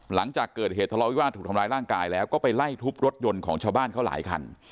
หลังจากเกิดเหตุทะเลาวิวาสถูกทำร้ายร่างกายแล้วก็ไปไล่ทุบรถยนต์ของชาวบ้านเขาหลายคัน